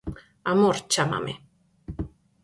Amor, chámame.